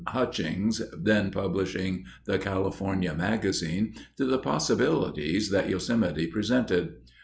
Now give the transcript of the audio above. Hutchings, then publishing the California Magazine, to the possibilities that Yosemite presented.